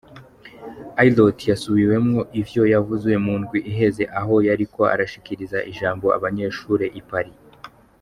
Ayrault yasubiyemwo ivyo yavuze mu ndwi iheze, aho yariko arashikiriza ijambo abanyeshure I paris.